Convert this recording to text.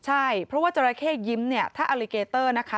ใช่เพราะว่าจราเข้ยิ้มเนี่ยถ้าอลิเกเตอร์นะคะ